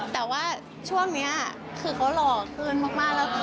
แต่ว่าช่วงนี้คือเขารอขึ้นมาก